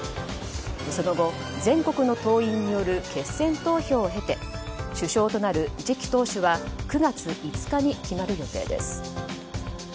その後、全国の党員による決選投票を経て首相となる次期党首は９月５日に決まる予定です。